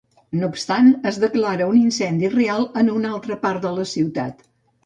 No obstant, es declara un incendi real en una altra part de la ciutat.